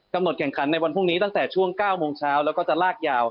แข่งขันในวันพรุ่งนี้ตั้งแต่ช่วง๙โมงเช้าแล้วก็จะลากยาว